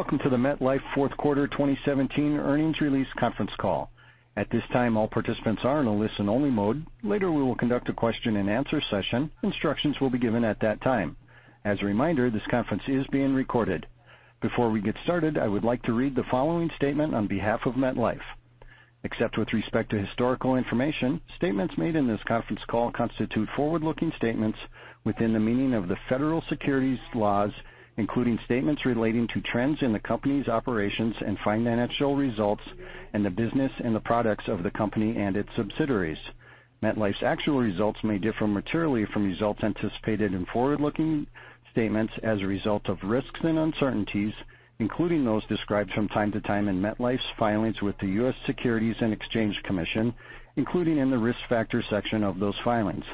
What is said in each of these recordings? Welcome to the MetLife fourth quarter 2017 earnings release conference call. At this time, all participants are in a listen-only mode. Later, we will conduct a question-and-answer session. Instructions will be given at that time. As a reminder, this conference is being recorded. Before we get started, I would like to read the following statement on behalf of MetLife. Except with respect to historical information, statements made in this conference call constitute forward-looking statements within the meaning of the federal securities laws, including statements relating to trends in the company's operations and financial results and the business and the products of the company and its subsidiaries. MetLife's actual results may differ materially from results anticipated in forward-looking statements as a result of risks and uncertainties, including those described from time to time in MetLife's filings with the U.S. Securities and Exchange Commission, including in the Risk Factors section of those filings.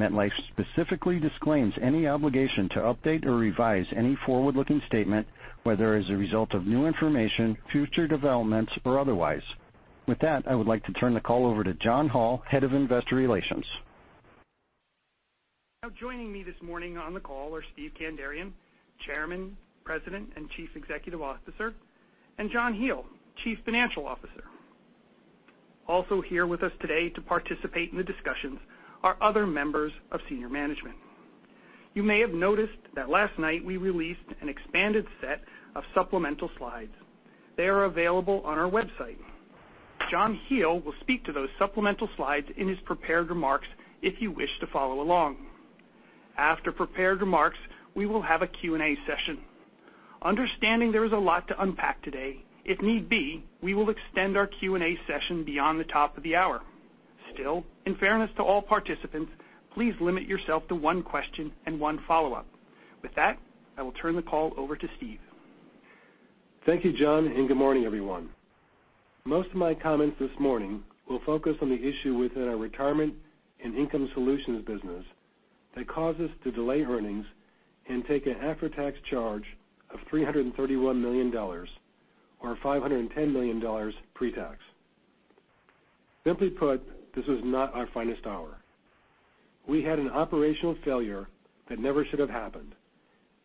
MetLife specifically disclaims any obligation to update or revise any forward-looking statement, whether as a result of new information, future developments, or otherwise. With that, I would like to turn the call over to John Hall, Head of Investor Relations. Now joining me this morning on the call are Steve Kandarian, Chairman, President, and Chief Executive Officer, and John Hele, Chief Financial Officer. Also here with us today to participate in the discussions are other members of senior management. You may have noticed that last night we released an expanded set of supplemental slides. They are available on our website. John Hele will speak to those supplemental slides in his prepared remarks if you wish to follow along. After prepared remarks, we will have a Q&A session. Understanding there is a lot to unpack today, if need be, we will extend our Q&A session beyond the top of the hour. In fairness to all participants, please limit yourself to one question and one follow-up. With that, I will turn the call over to Steve. Thank you, John, and good morning, everyone. Most of my comments this morning will focus on the issue within our Retirement and Income Solutions business that caused us to delay earnings and take an after-tax charge of $331 million, or $510 million pre-tax. Simply put, this was not our finest hour. We had an operational failure that never should have happened,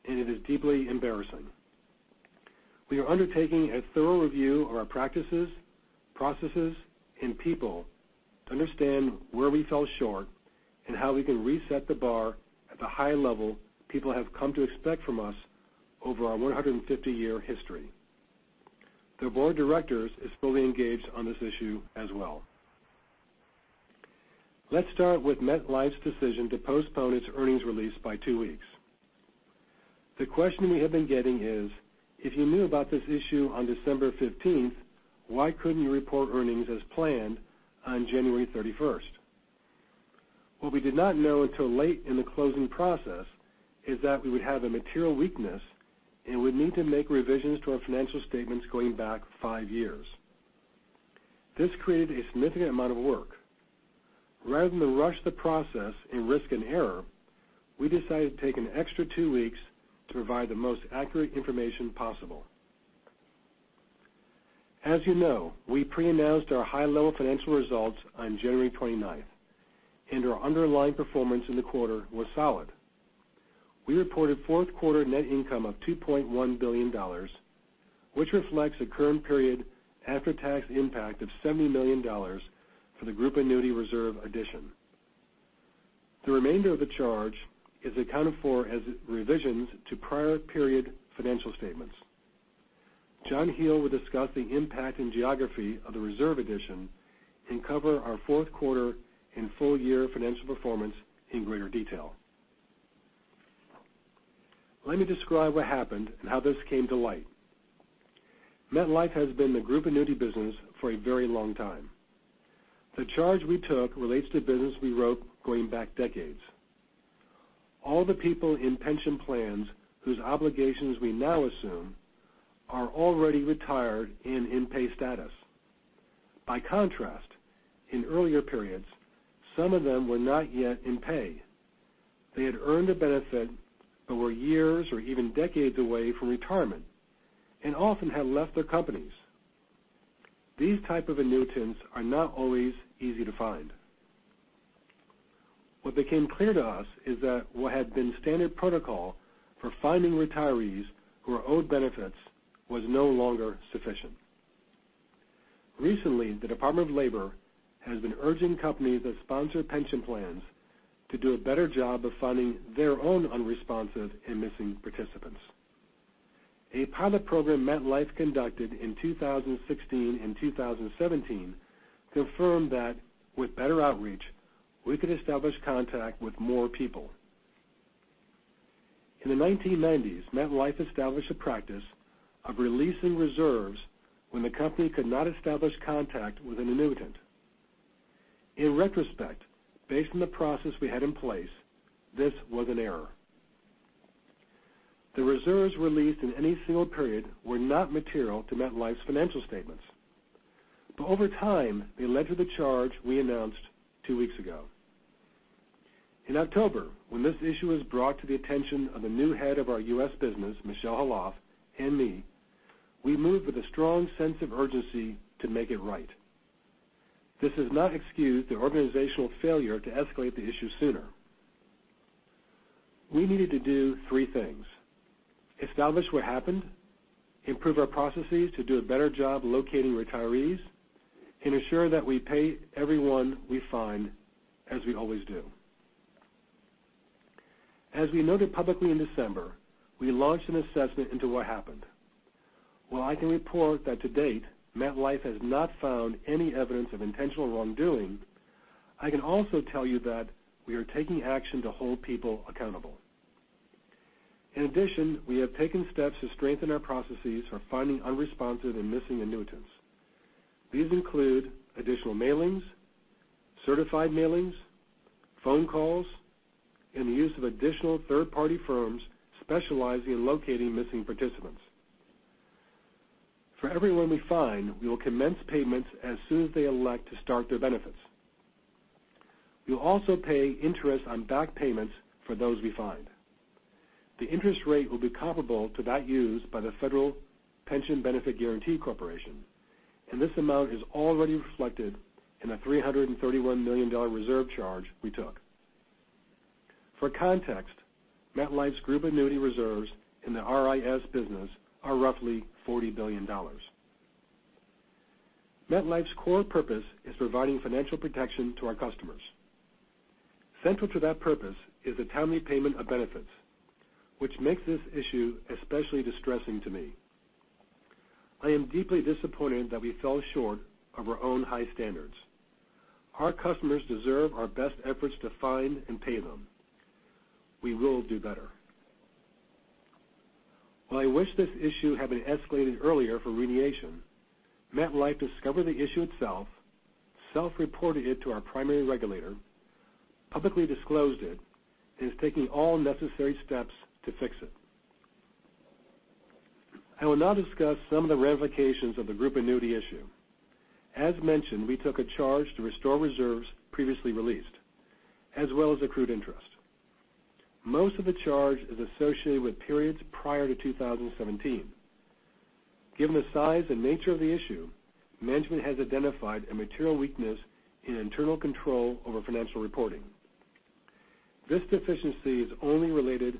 and it is deeply embarrassing. We are undertaking a thorough review of our practices, processes, and people to understand where we fell short and how we can reset the bar at the high level people have come to expect from us over our 150-year history. The board of directors is fully engaged on this issue as well. Let's start with MetLife's decision to postpone its earnings release by two weeks. The question we have been getting is: If you knew about this issue on December 15th, why couldn't you report earnings as planned on January 31st? What we did not know until late in the closing process is that we would have a material weakness and would need to make revisions to our financial statements going back five years. This created a significant amount of work. Rather than rush the process and risk an error, we decided to take an extra two weeks to provide the most accurate information possible. As you know, we pre-announced our high-level financial results on January 29th, and our underlying performance in the quarter was solid. We reported fourth quarter net income of $2.1 billion, which reflects a current period after-tax impact of $70 million for the Group Annuity reserve addition. The remainder of the charge is accounted for as revisions to prior period financial statements. John Hele will discuss the impact and geography of the reserve addition and cover our fourth quarter and full-year financial performance in greater detail. Let me describe what happened and how this came to light. MetLife has been in the group annuity business for a very long time. The charge we took relates to business we wrote going back decades. All the people in pension plans whose obligations we now assume are already retired and in pay status. By contrast, in earlier periods, some of them were not yet in pay. They had earned a benefit but were years or even decades away from retirement and often had left their companies. These type of annuitants are not always easy to find. What became clear to us is that what had been standard protocol for finding retirees who are owed benefits was no longer sufficient. Recently, the Department of Labor has been urging companies that sponsor pension plans to do a better job of finding their own unresponsive and missing participants. A pilot program MetLife conducted in 2016 and 2017 confirmed that with better outreach, we could establish contact with more people. In the 1990s, MetLife established a practice of releasing reserves when the company could not establish contact with an annuitant. In retrospect, based on the process we had in place, this was an error. The reserves released in any single period were not material to MetLife's financial statements. Over time, they led to the charge we announced two weeks ago. In October, when this issue was brought to the attention of the new head of our U.S. business, Michel Khalaf, and me, we moved with a strong sense of urgency to make it right. This does not excuse the organizational failure to escalate the issue sooner. We needed to do three things, establish what happened, improve our processes to do a better job locating retirees, and ensure that we pay everyone we find, as we always do. As we noted publicly in December, we launched an assessment into what happened. While I can report that to date, MetLife has not found any evidence of intentional wrongdoing, I can also tell you that we are taking action to hold people accountable. In addition, we have taken steps to strengthen our processes for finding unresponsive and missing annuitants. These include additional mailings, certified mailings, phone calls, and the use of additional third-party firms specializing in locating missing participants. For everyone we find, we will commence payments as soon as they elect to start their benefits. We will also pay interest on back payments for those we find. The interest rate will be comparable to that used by the Pension Benefit Guaranty Corporation, and this amount is already reflected in a $331 million reserve charge we took. For context, MetLife's group annuity reserves in the RIS business are roughly $40 billion. MetLife's core purpose is providing financial protection to our customers. Central to that purpose is the timely payment of benefits, which makes this issue especially distressing to me. I am deeply disappointed that we fell short of our own high standards. Our customers deserve our best efforts to find and pay them. We will do better. While I wish this issue had been escalated earlier for remediation, MetLife discovered the issue itself, self-reported it to our primary regulator, publicly disclosed it, and is taking all necessary steps to fix it. I will now discuss some of the ramifications of the group annuity issue. As mentioned, we took a charge to restore reserves previously released, as well as accrued interest. Most of the charge is associated with periods prior to 2017. Given the size and nature of the issue, management has identified a material weakness in internal control over financial reporting. This deficiency is only related to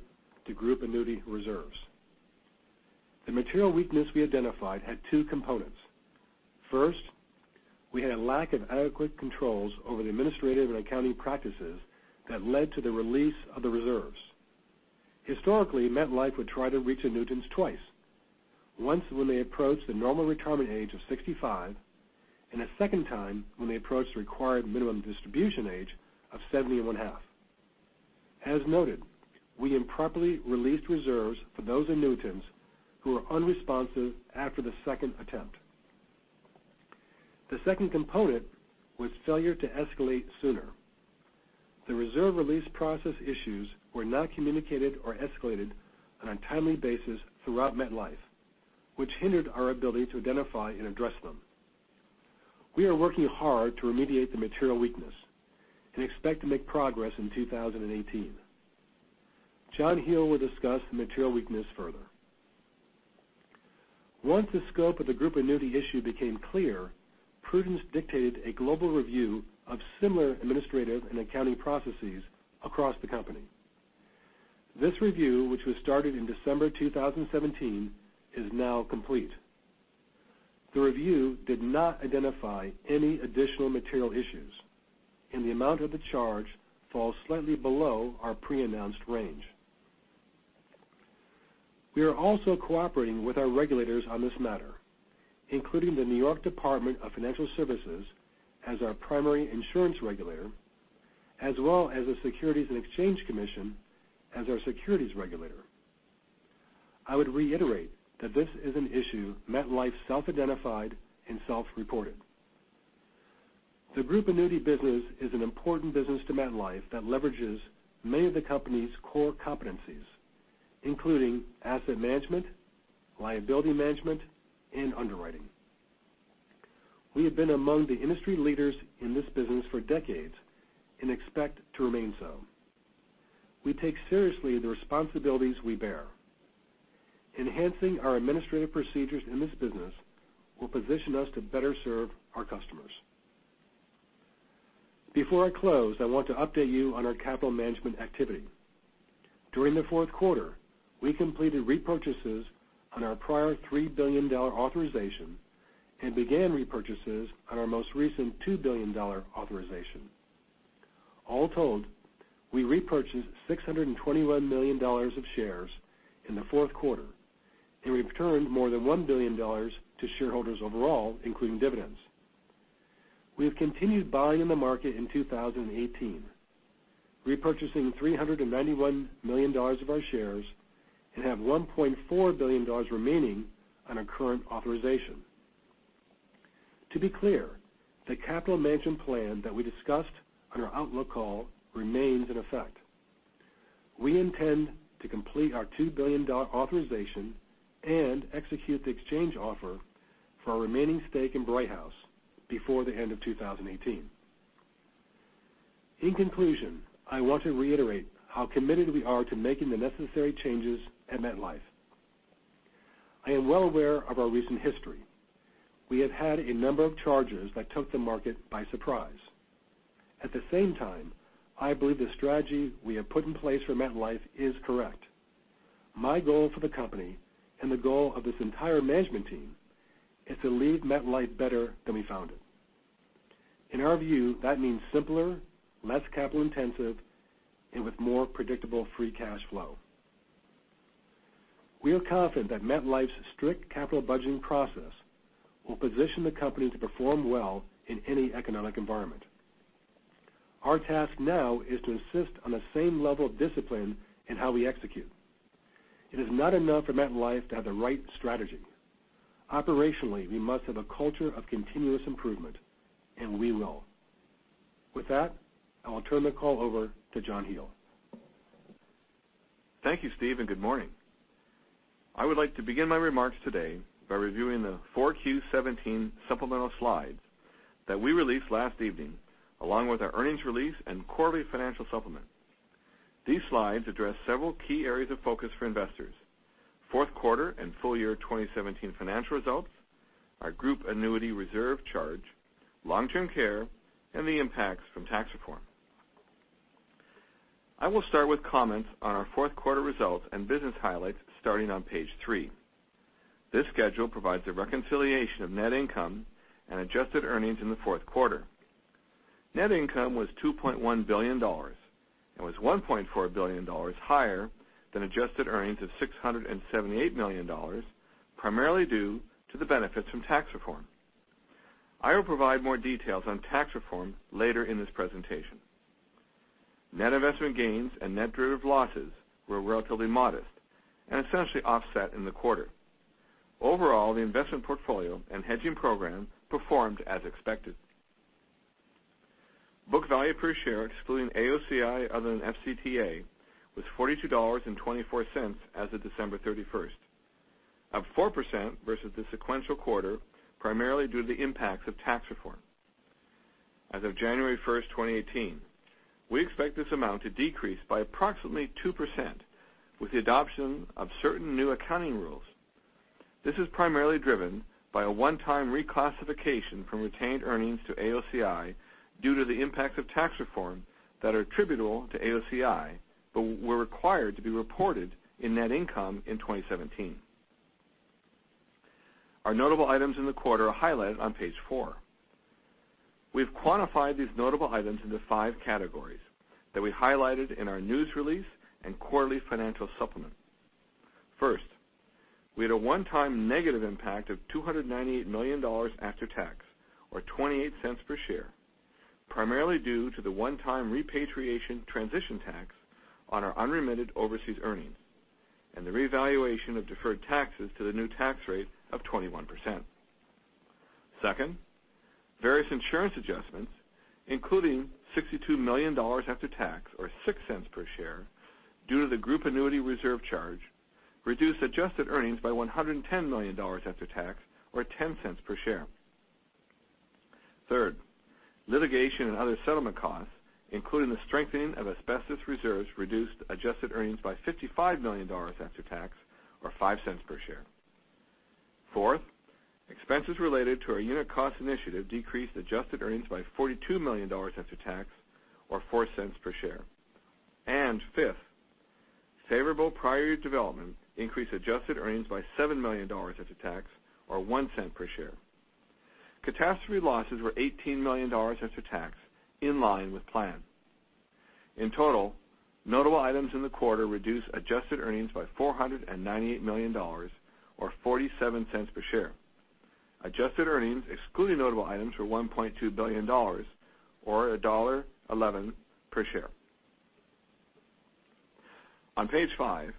group annuity reserves. The material weakness we identified had two components. First, we had a lack of adequate controls over the administrative and accounting practices that led to the release of the reserves. Historically, MetLife would try to reach annuitants twice, once when they approached the normal retirement age of 65, and a second time when they approached the required minimum distribution age of 71 half. As noted, we improperly released reserves for those annuitants who are unresponsive after the second attempt. The second component was failure to escalate sooner. The reserve release process issues were not communicated or escalated on a timely basis throughout MetLife, which hindered our ability to identify and address them. We are working hard to remediate the material weakness and expect to make progress in 2018. John Hele will discuss the material weakness further. Once the scope of the group annuity issue became clear, prudence dictated a global review of similar administrative and accounting processes across the company. This review, which was started in December 2017, is now complete. The review did not identify any additional material issues, and the amount of the charge falls slightly below our pre-announced range. We are also cooperating with our regulators on this matter, including the New York State Department of Financial Services as our primary insurance regulator, as well as the Securities and Exchange Commission as our securities regulator. I would reiterate that this is an issue MetLife self-identified and self-reported. The group annuity business is an important business to MetLife that leverages many of the company's core competencies, including asset management, liability management, and underwriting. We have been among the industry leaders in this business for decades and expect to remain so. We take seriously the responsibilities we bear. Enhancing our administrative procedures in this business will position us to better serve our customers. Before I close, I want to update you on our capital management activity. During the fourth quarter, we completed repurchases on our prior $3 billion authorization and began repurchases on our most recent $2 billion authorization. All told, we repurchased $621 million of shares in the fourth quarter and returned more than $1 billion to shareholders overall, including dividends. We have continued buying in the market in 2018, repurchasing $391 million of our shares and have $1.4 billion remaining on our current authorization. To be clear, the capital management plan that we discussed on our outlook call remains in effect. We intend to complete our $2 billion authorization and execute the exchange offer for our remaining stake in Brighthouse before the end of 2018. In conclusion, I want to reiterate how committed we are to making the necessary changes at MetLife. I am well aware of our recent history. We have had a number of charges that took the market by surprise. At the same time, I believe the strategy we have put in place for MetLife is correct. My goal for the company, and the goal of this entire management team, is to leave MetLife better than we found it. In our view, that means simpler, less capital intensive, and with more predictable free cash flow. We are confident that MetLife's strict capital budgeting process will position the company to perform well in any economic environment. Our task now is to insist on the same level of discipline in how we execute. It is not enough for MetLife to have the right strategy. Operationally, we must have a culture of continuous improvement, and we will. With that, I will turn the call over to John Hele. Thank you, Steve, good morning. I would like to begin my remarks today by reviewing the 4Q'17 supplemental slides that we released last evening, along with our earnings release and quarterly financial supplement. These slides address several key areas of focus for investors, fourth quarter and full year 2017 financial results, our group annuity reserve charge, long-term care, and the impacts from tax reform. I will start with comments on our fourth quarter results and business highlights starting on page three. This schedule provides a reconciliation of net income and adjusted earnings in the fourth quarter. Net income was $2.1 billion and was $1.4 billion higher than adjusted earnings of $678 million, primarily due to the benefits from tax reform. I will provide more details on tax reform later in this presentation. Net investment gains and net derivative losses were relatively modest and essentially offset in the quarter. Overall, the investment portfolio and hedging program performed as expected. Book value per share, excluding AOCI other than FCTA, was $42.24 as of December 31, up 4% versus the sequential quarter, primarily due to the impacts of tax reform. As of January 1, 2018, we expect this amount to decrease by approximately 2% with the adoption of certain new accounting rules. This is primarily driven by a one-time reclassification from retained earnings to AOCI due to the impacts of tax reform that are attributable to AOCI, but were required to be reported in net income in 2017. Our notable items in the quarter are highlighted on page four. We've quantified these notable items into 5 categories that we highlighted in our news release and quarterly financial supplement. First, we had a one-time negative impact of $298 million after tax, or $0.28 per share, primarily due to the one-time repatriation transition tax on our unremitted overseas earnings and the revaluation of deferred taxes to the new tax rate of 21%. Second, various insurance adjustments, including $62 million after tax or $0.06 per share due to the group annuity reserve charge, reduced adjusted earnings by $110 million after tax or $0.10 per share. Third, litigation and other settlement costs, including the strengthening of asbestos reserves, reduced adjusted earnings by $55 million after tax or $0.05 per share. Fourth, expenses related to our Unit Cost Initiative decreased adjusted earnings by $42 million after tax or $0.04 per share. Fifth, favorable prior year development increased adjusted earnings by $7 million after tax or $0.01 per share. Catastrophe losses were $18 million after tax, in line with plan. In total, notable items in the quarter reduced adjusted earnings by $498 million or $0.47 per share. Adjusted earnings, excluding notable items, were $1.2 billion or $1.11 per share. On page five,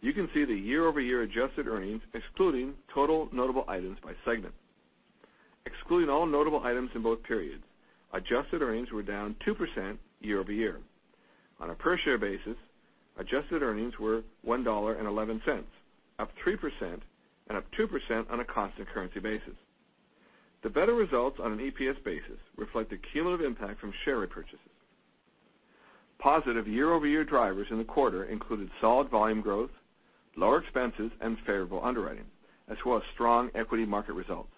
you can see the year-over-year adjusted earnings excluding total notable items by segment. Excluding all notable items in both periods, adjusted earnings were down 2% year-over-year. On a per share basis, adjusted earnings were $1.11, up 3% and up 2% on a constant currency basis. The better results on an EPS basis reflect the cumulative impact from share repurchases. Positive year-over-year drivers in the quarter included solid volume growth, lower expenses, and favorable underwriting, as well as strong equity market results.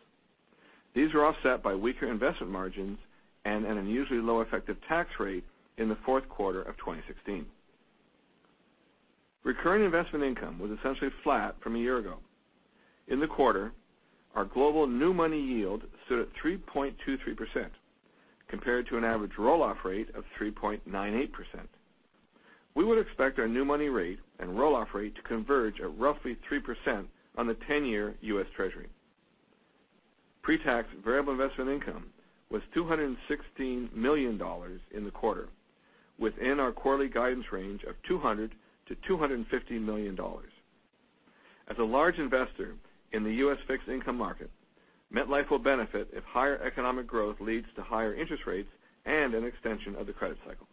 These were offset by weaker investment margins and an unusually low effective tax rate in the fourth quarter of 2016. Recurring investment income was essentially flat from a year ago. In the quarter, our global new money yield stood at 3.23%, compared to an average roll-off rate of 3.98%. We would expect our new money rate and roll-off rate to converge at roughly 3% on the 10-year U.S. Treasury. Pre-tax variable investment income was $216 million in the quarter, within our quarterly guidance range of $200 million-$250 million. As a large investor in the U.S. fixed income market, MetLife will benefit if higher economic growth leads to higher interest rates and an extension of the credit cycle.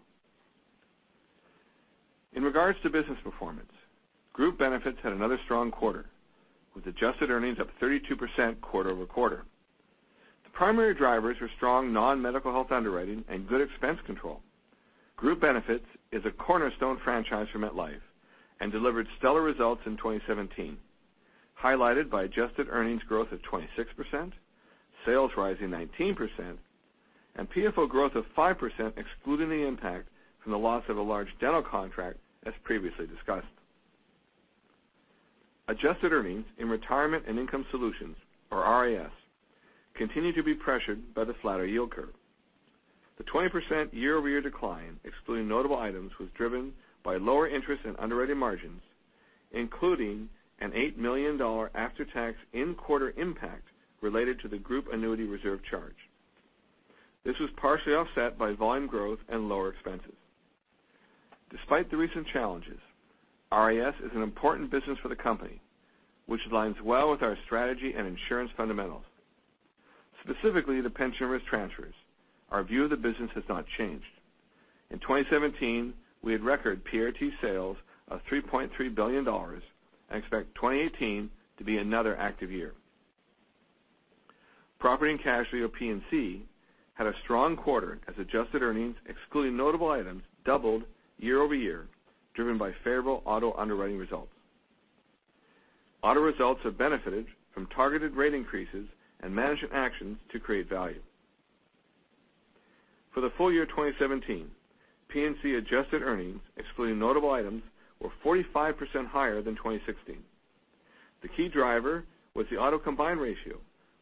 In regards to business performance, Group Benefits had another strong quarter, with adjusted earnings up 32% quarter-over-quarter. The primary drivers were strong non-medical health underwriting and good expense control. Group Benefits is a cornerstone franchise for MetLife and delivered stellar results in 2017, highlighted by adjusted earnings growth of 26%, sales rising 19%, and PFO growth of 5%, excluding the impact from the loss of a large dental contract, as previously discussed. Adjusted earnings in Retirement and Income Solutions, or RIS, continue to be pressured by the flatter yield curve. The 20% year-over-year decline, excluding notable items, was driven by lower interest and underwriting margins, including an $8 million after-tax in-quarter impact related to the group annuity reserve charge. This was partially offset by volume growth and lower expenses. Despite the recent challenges, RIS is an important business for the company, which aligns well with our strategy and insurance fundamentals, specifically the pension risk transfers. Our view of the business has not changed. In 2017, we had record PRT sales of $3.3 billion and expect 2018 to be another active year. Property and Casualty, or P&C, had a strong quarter as adjusted earnings, excluding notable items, doubled year-over-year, driven by favorable auto underwriting results. Auto results have benefited from targeted rate increases and management actions to create value. For the full year 2017, P&C adjusted earnings, excluding notable items, were 45% higher than 2016. The key driver was the auto combined ratio,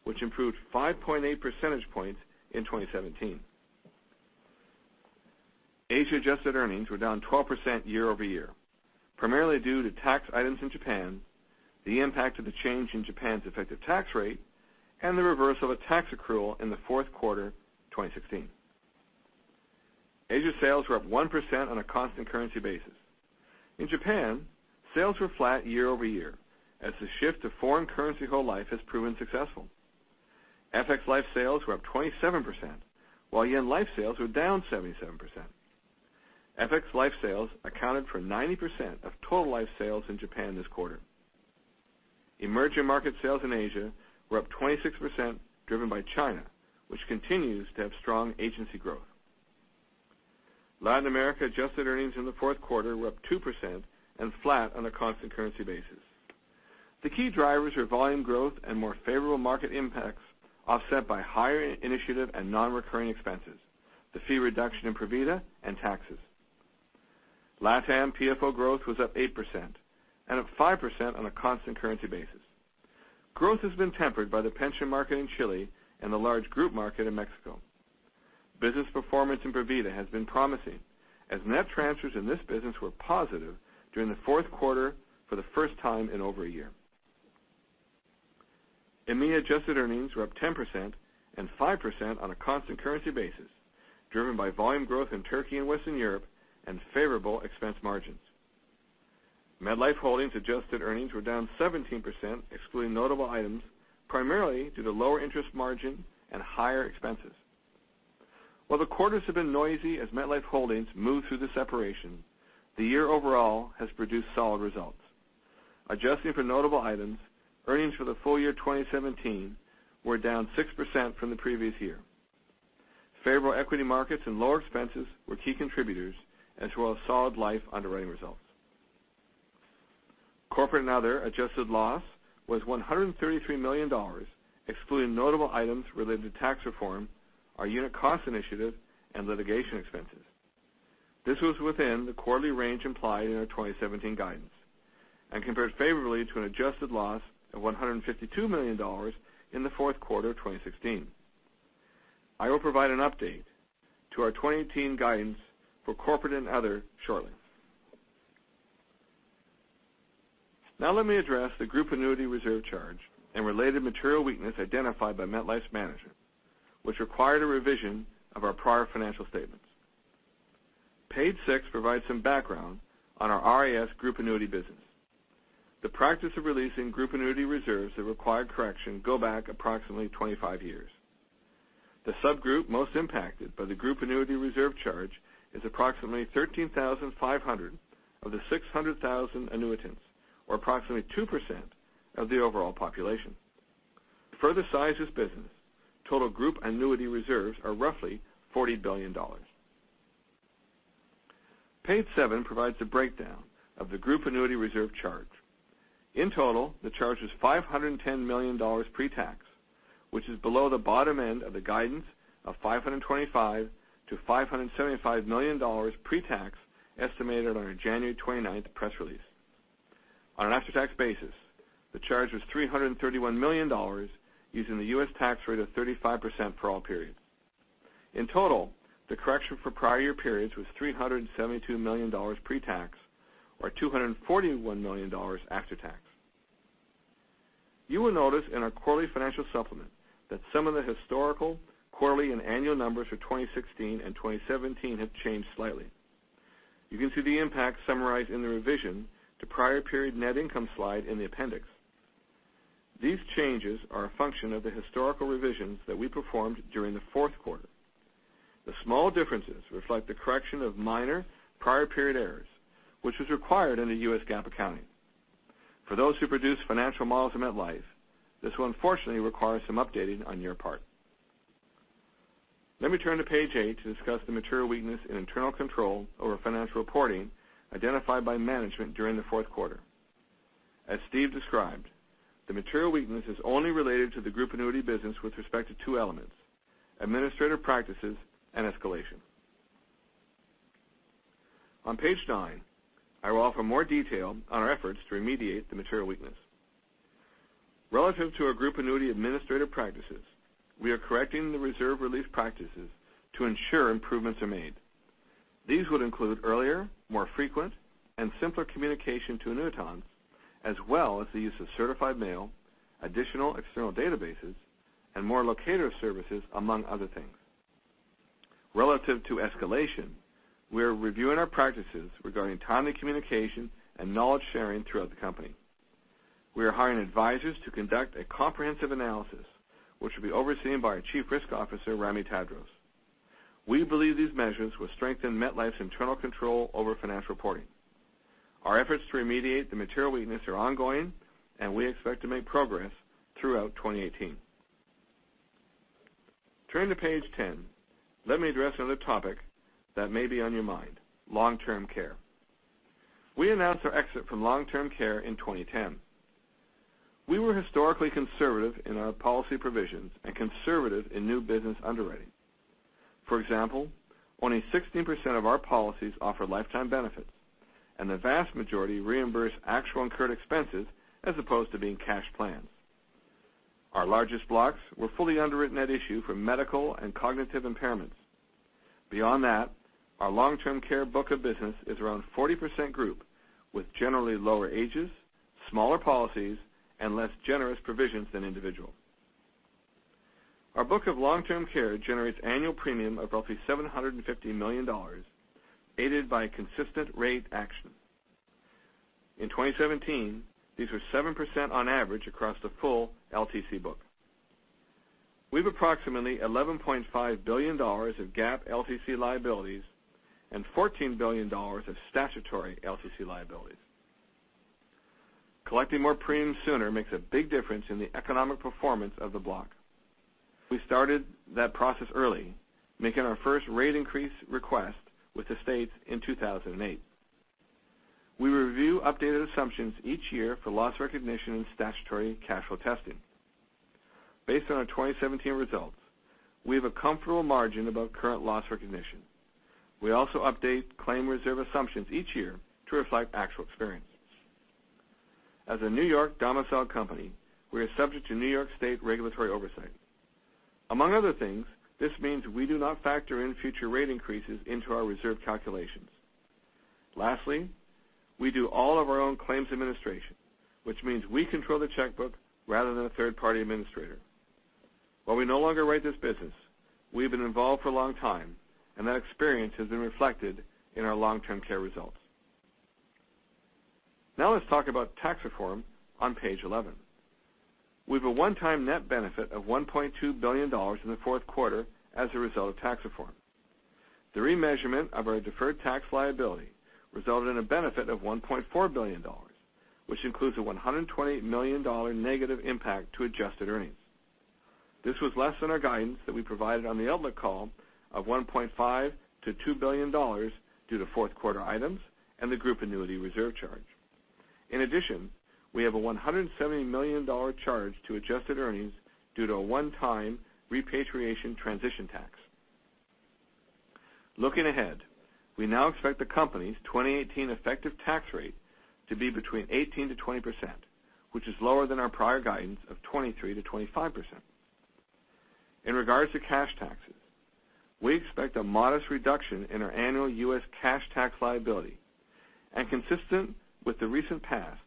which improved 5.8 percentage points in 2017. Asia adjusted earnings were down 12% year-over-year, primarily due to tax items in Japan, the impact of the change in Japan's effective tax rate, and the reverse of a tax accrual in the fourth quarter 2016. Asia sales were up 1% on a constant currency basis. In Japan, sales were flat year-over-year as the shift to foreign currency whole life has proven successful. FX life sales were up 27%, while yen life sales were down 77%. FX life sales accounted for 90% of total life sales in Japan this quarter. Emerging market sales in Asia were up 26%, driven by China, which continues to have strong agency growth. Latin America adjusted earnings in the fourth quarter were up 2% and flat on a constant currency basis. The key drivers are volume growth and more favorable market impacts, offset by higher initiative and non-recurring expenses, the fee reduction in Provida and taxes. LatAm PFO growth was up 8% and up 5% on a constant currency basis. Growth has been tempered by the pension market in Chile and the large group market in Mexico. Business performance in Provida has been promising as net transfers in this business were positive during the fourth quarter for the first time in over a year. EMEA adjusted earnings were up 10% and 5% on a constant currency basis, driven by volume growth in Turkey and Western Europe and favorable expense margins. MetLife Holdings adjusted earnings were down 17%, excluding notable items, primarily due to lower interest margin and higher expenses. While the quarters have been noisy as MetLife Holdings move through the separation, the year overall has produced solid results. Adjusting for notable items, earnings for the full year 2017 were down 6% from the previous year. Favorable equity markets and lower expenses were key contributors, as well as solid life underwriting results. Corporate net adjusted loss was $133 million, excluding notable items related to tax reform, our unit cost initiative, and litigation expenses. This was within the quarterly range implied in our 2017 guidance and compared favorably to an adjusted loss of $152 million in the fourth quarter of 2016. I will provide an update to our 2018 guidance for corporate and other shortly. Now let me address the group annuity reserve charge and related material weakness identified by MetLife's management, which required a revision of our prior financial statements. Page six provides some background on our RIS group annuity business. The practice of releasing group annuity reserves that require correction go back approximately 25 years. The subgroup most impacted by the group annuity reserve charge is approximately 13,500 of the 600,000 annuitants or approximately 2% of the overall population. To further size this business, total group annuity reserves are roughly $40 billion. Page seven provides a breakdown of the group annuity reserve charge. In total, the charge was $510 million pre-tax, which is below the bottom end of the guidance of $525 million-$575 million pre-tax estimated on our January 29th press release. On an after-tax basis, the charge was $331 million, using the U.S. tax rate of 35% for all periods. In total, the correction for prior year periods was $372 million pre-tax, or $241 million after tax. You will notice in our quarterly financial supplement that some of the historical, quarterly, and annual numbers for 2016 and 2017 have changed slightly. You can see the impact summarized in the revision to prior period net income slide in the appendix. These changes are a function of the historical revisions that we performed during the fourth quarter. The small differences reflect the correction of minor prior period errors, which was required in the U.S. GAAP accounting. For those who produce financial models at MetLife, this will unfortunately require some updating on your part. Let me turn to page 8 to discuss the material weakness in internal control over financial reporting identified by management during the fourth quarter. As Steve described, the material weakness is only related to the group annuity business with respect to two elements, administrative practices and escalation. On page 9, I will offer more detail on our efforts to remediate the material weakness. Relative to our group annuity administrative practices, we are correcting the reserve relief practices to ensure improvements are made. These would include earlier, more frequent, and simpler communication to annuitants, as well as the use of certified mail, additional external databases, and more locator services, among other things. Relative to escalation, we are reviewing our practices regarding timely communication and knowledge sharing throughout the company. We are hiring advisors to conduct a comprehensive analysis, which will be overseen by our Chief Risk Officer, Ramy Tadros. We believe these measures will strengthen MetLife's internal control over financial reporting. Our efforts to remediate the material weakness are ongoing, and we expect to make progress throughout 2018. Turning to page 10, let me address another topic that may be on your mind, long-term care. We announced our exit from long-term care in 2010. We were historically conservative in our policy provisions and conservative in new business underwriting. For example, only 16% of our policies offer lifetime benefits, and the vast majority reimburse actual incurred expenses as opposed to being cash plans. Our largest blocks were fully underwritten at issue for medical and cognitive impairments. Beyond that, our long-term care book of business is around 40% group, with generally lower ages, smaller policies, and less generous provisions than individual. Our book of long-term care generates annual premium of roughly $750 million, aided by consistent rate action. In 2017, these were 7% on average across the full LTC book. We have approximately $11.5 billion of GAAP LTC liabilities and $14 billion of statutory LTC liabilities. Collecting more premiums sooner makes a big difference in the economic performance of the block. We started that process early, making our first rate increase request with the states in 2008. We review updated assumptions each year for loss recognition and statutory cash flow testing. Based on our 2017 results, we have a comfortable margin above current loss recognition. We also update claim reserve assumptions each year to reflect actual experience. As a New York domicile company, we are subject to New York State regulatory oversight. Among other things, this means we do not factor in future rate increases into our reserve calculations. Lastly, we do all of our own claims administration, which means we control the checkbook rather than a third-party administrator. While we no longer write this business, we've been involved for a long time, and that experience has been reflected in our long-term care results. Now let's talk about tax reform on page 11. We have a one-time net benefit of $1.2 billion in the fourth quarter as a result of tax reform. The remeasurement of our deferred tax liability resulted in a benefit of $1.4 billion, which includes a $120 million negative impact to adjusted earnings. This was less than our guidance that we provided on the outlook call of $1.5 billion-$2 billion due to fourth quarter items and the group annuity reserve charge. In addition, we have a $170 million charge to adjusted earnings due to a one-time repatriation transition tax. Looking ahead, we now expect the company's 2018 effective tax rate to be between 18%-20%, which is lower than our prior guidance of 23%-25%. In regards to cash taxes, we expect a modest reduction in our annual U.S. cash tax liability. Consistent with the recent past,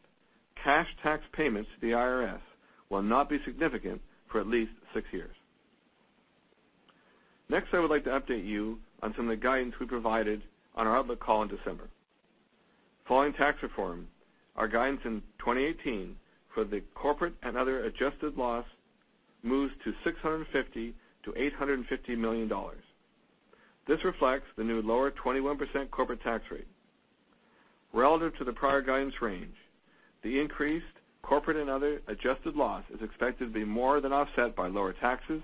cash tax payments to the IRS will not be significant for at least six years. Next, I would like to update you on some of the guidance we provided on our outlook call in December. Following tax reform, our guidance in 2018 for the corporate and other adjusted loss moves to $650 million-$850 million. This reflects the new lower 21% corporate tax rate. Relative to the prior guidance range, the increased corporate and other adjusted loss is expected to be more than offset by lower taxes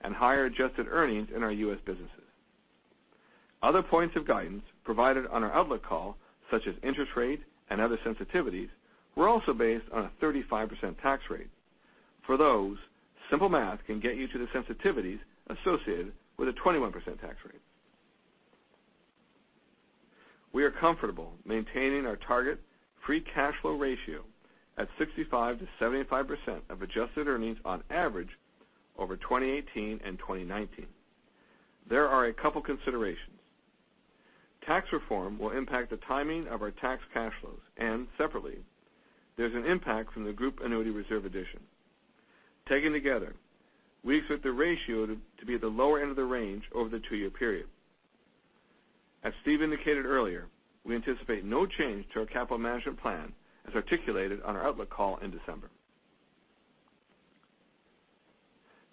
and higher adjusted earnings in our U.S. businesses. Other points of guidance provided on our outlook call, such as interest rate and other sensitivities, were also based on a 35% tax rate. For those, simple math can get you to the sensitivities associated with a 21% tax rate. We are comfortable maintaining our target free cash flow ratio at 65%-75% of adjusted earnings on average over 2018 and 2019. There are a couple considerations. Tax reform will impact the timing of our tax cash flows, and separately, there's an impact from the group annuity reserve addition. Taken together, we expect the ratio to be at the lower end of the range over the two-year period. As Steve indicated earlier, we anticipate no change to our capital management plan as articulated on our outlook call in December.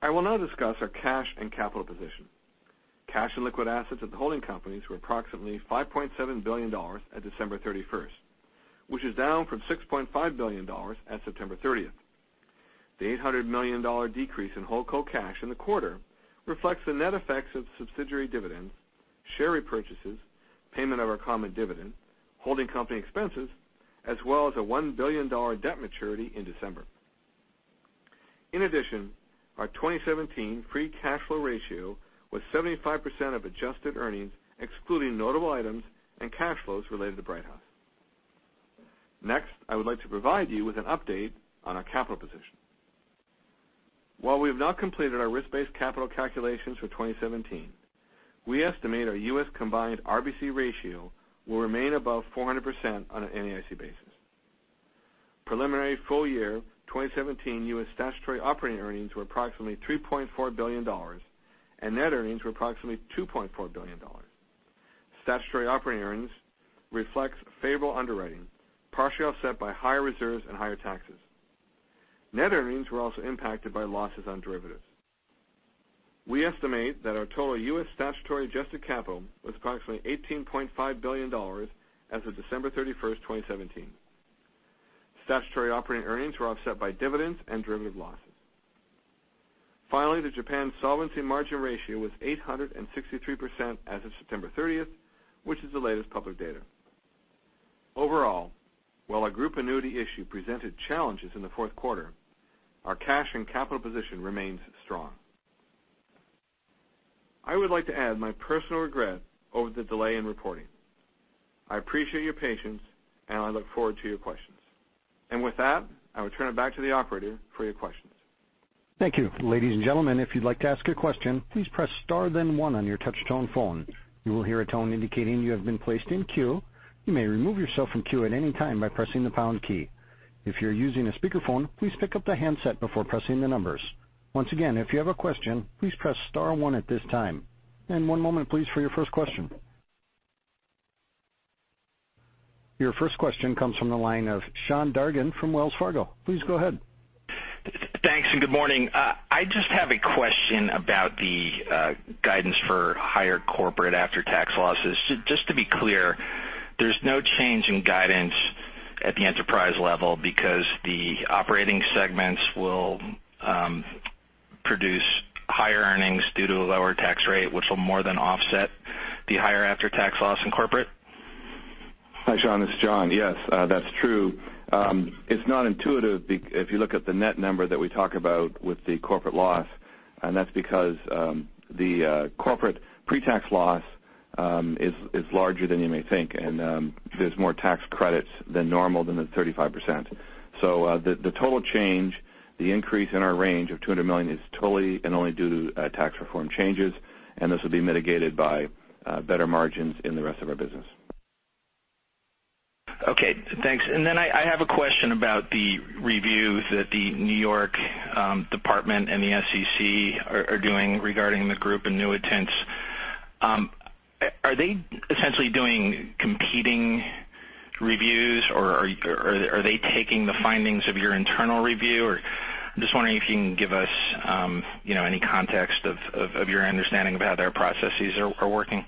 I will now discuss our cash and capital position. Cash and liquid assets at the holding companies were approximately $5.7 billion at December 31st, which is down from $6.5 billion at September 30th. The $800 million decrease in Holdco cash in the quarter reflects the net effects of subsidiary dividends, share repurchases, payment of our common dividend, holding company expenses, as well as a $1 billion debt maturity in December. In addition, our 2017 free cash flow ratio was 75% of adjusted earnings, excluding notable items and cash flows related to Brighthouse. Next, I would like to provide you with an update on our capital position. While we have not completed our risk-based capital calculations for 2017, we estimate our U.S. combined RBC ratio will remain above 400% on an NAIC basis. Preliminary full-year 2017 U.S. statutory operating earnings were approximately $3.4 billion, and net earnings were approximately $2.4 billion. Statutory operating earnings reflects favorable underwriting, partially offset by higher reserves and higher taxes. Net earnings were also impacted by losses on derivatives. We estimate that our total U.S. statutory adjusted capital was approximately $18.5 billion as of December 31st, 2017. Statutory operating earnings were offset by dividends and derivative losses. Finally, the Japan solvency margin ratio was 863% as of September 30th, which is the latest public data. Overall, while our group annuity issue presented challenges in the fourth quarter, our cash and capital position remains strong. I would like to add my personal regret over the delay in reporting. I appreciate your patience, and I look forward to your questions. With that, I will turn it back to the operator for your questions. Thank you. Ladies and gentlemen, if you'd like to ask a question, please press star then one on your touch-tone phone. You will hear a tone indicating you have been placed in queue. You may remove yourself from queue at any time by pressing the pound key. If you're using a speakerphone, please pick up the handset before pressing the numbers. Once again, if you have a question, please press star one at this time. One moment, please, for your first question. Your first question comes from the line of Sean Dargan from Wells Fargo. Please go ahead. Thanks. Good morning. I just have a question about the guidance for higher corporate after-tax losses. Just to be clear, there's no change in guidance at the enterprise level because the operating segments will produce higher earnings due to a lower tax rate, which will more than offset the higher after-tax loss in corporate? Hi, Sean. It's John. Yes, that's true. It's not intuitive if you look at the net number that we talk about with the corporate loss, and that's because the corporate pre-tax loss is larger than you may think, and there's more tax credits than normal, than the 35%. The total change, the increase in our range of $200 million is totally and only due to tax reform changes, and this will be mitigated by better margins in the rest of our business. Okay, thanks. I have a question about the reviews that the New York Department and the SEC are doing regarding the group annuitants. Are they essentially doing competing reviews, or are they taking the findings of your internal review? I'm just wondering if you can give us any context of your understanding of how their processes are working.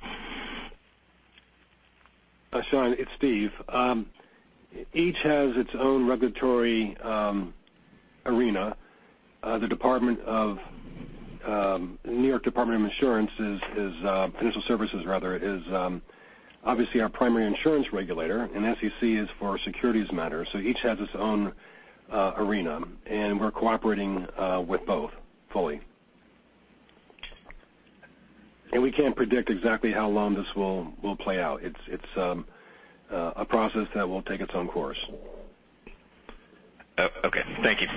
Sean, it's Steve. Each has its own regulatory arena. The New York State Department of Financial Services is obviously our primary insurance regulator, and SEC is for securities matters. Each has its own arena, and we're cooperating with both fully. We can't predict exactly how long this will play out. It's a process that will take its own course. Okay. Thank you.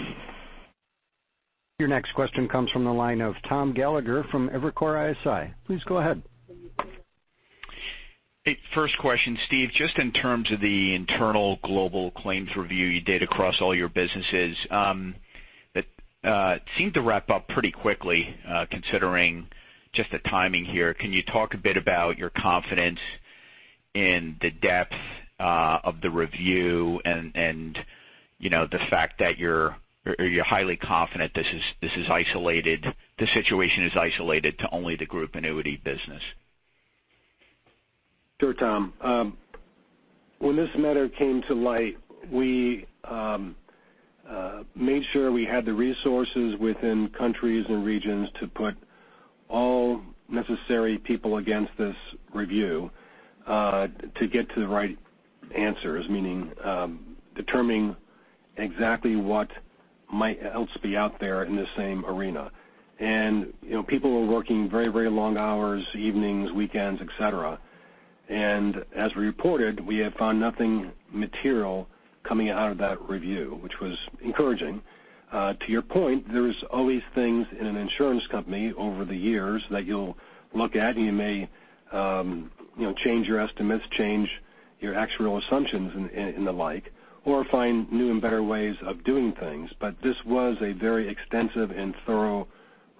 Your next question comes from the line of Tom Gallagher from Evercore ISI. Please go ahead. First question, Steve, just in terms of the internal global claims review you did across all your businesses, it seemed to wrap up pretty quickly, considering just the timing here. Can you talk a bit about your confidence in the depth of the review and the fact that you're highly confident this situation is isolated to only the group annuity business? Sure, Tom. When this matter came to light, we made sure we had the resources within countries and regions to put all necessary people against this review to get to the right answers, meaning determining exactly what might else be out there in the same arena. People were working very long hours, evenings, weekends, et cetera. As we reported, we have found nothing material coming out of that review, which was encouraging. To your point, there's always things in an insurance company over the years that you'll look at, and you may change your estimates, change your actuarial assumptions and the like, or find new and better ways of doing things. This was a very extensive and thorough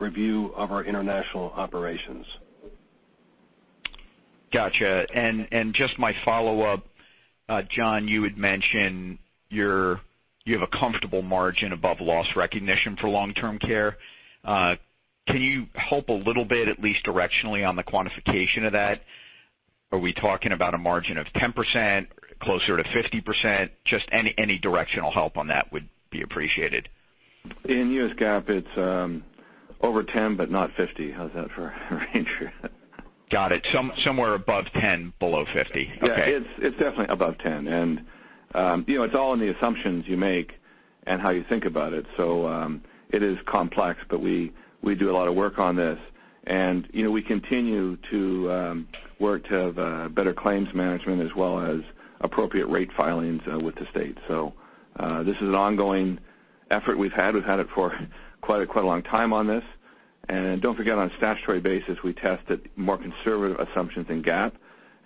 review of our international operations Got you. Just my follow-up, John, you had mentioned you have a comfortable margin above loss recognition for long-term care. Can you help a little bit, at least directionally, on the quantification of that? Are we talking about a margin of 10%, closer to 50%? Just any directional help on that would be appreciated. In U.S. GAAP, it's over 10, but not 50. How's that for a range? Got it. Somewhere above 10, below 50. Okay. Yeah. It's definitely above 10, and it's all in the assumptions you make and how you think about it. It is complex, but we do a lot of work on this. We continue to work to have better claims management as well as appropriate rate filings with the state. This is an ongoing effort we've had. We've had it for quite a long time on this. Don't forget, on a statutory basis, we test at more conservative assumptions than GAAP,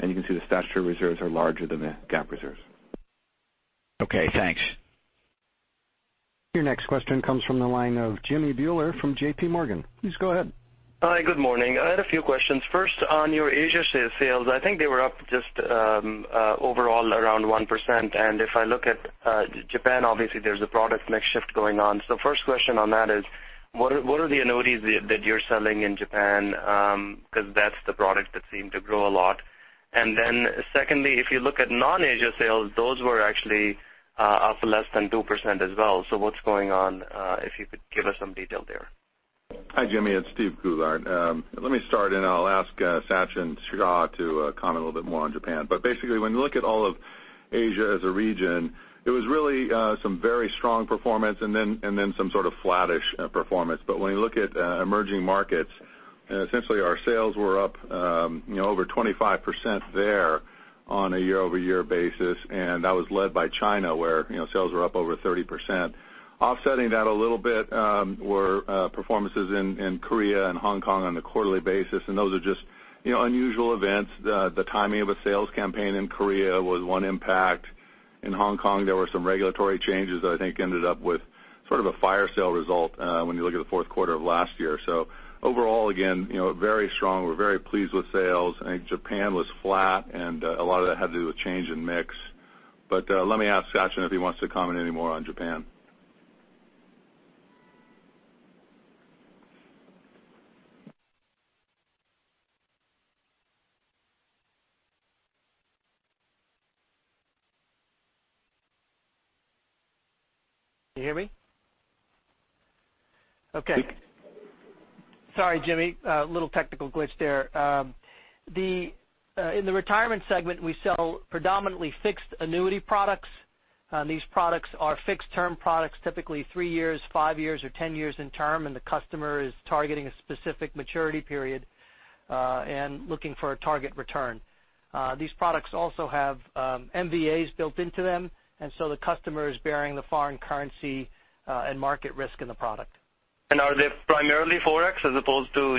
and you can see the statutory reserves are larger than the GAAP reserves. Okay, thanks. Your next question comes from the line of Jimmy Bhullar from J.P. Morgan. Please go ahead. Hi, good morning. I had a few questions. First, on your Asia sales, I think they were up just overall around 1%. If I look at Japan, obviously, there's a product mix shift going on. The first question on that is, what are the annuities that you're selling in Japan? Because that's the product that seemed to grow a lot. Secondly, if you look at non-Asia sales, those were actually up less than 2% as well. What's going on? If you could give us some detail there. Hi, Jimmy. It's Steve Goulart. Let me start. I'll ask Sachin Shah to comment a little bit more on Japan. Basically, when you look at all of Asia as a region, it was really some very strong performance then some sort of flattish performance. When you look at emerging markets, essentially, our sales were up over 25% there on a year-over-year basis, that was led by China, where sales were up over 30%. Offsetting that a little bit were performances in Korea and Hong Kong on a quarterly basis, those are just unusual events. The timing of a sales campaign in Korea was one impact. In Hong Kong, there were some regulatory changes that I think ended up with sort of a fire sale result when you look at the fourth quarter of last year. Overall, again, very strong. We're very pleased with sales. I think Japan was flat, a lot of that had to do with change in mix. Let me ask Sachin if he wants to comment any more on Japan. Can you hear me? Okay. Yes. Sorry, Jimmy. A little technical glitch there. In the retirement segment, we sell predominantly fixed annuity products. These products are fixed-term products, typically three years, five years, or 10 years in term, and the customer is targeting a specific maturity period and looking for a target return. These products also have MVAs built into them, so the customer is bearing the foreign currency and market risk in the product. Are they primarily forex as opposed to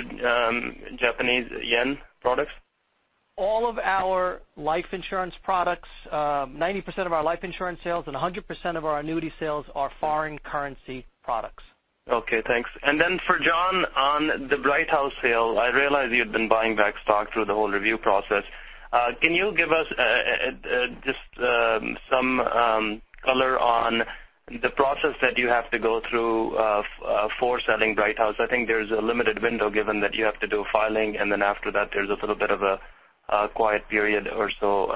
Japanese yen products? All of our life insurance products, 90% of our life insurance sales and 100% of our annuity sales are foreign currency products. Okay, thanks. For John, on the Brighthouse sale, I realize you've been buying back stock through the whole review process. Can you give us just some color on the process that you have to go through for selling Brighthouse? I think there's a limited window given that you have to do filing, then after that, there's a little bit of a quiet period or so.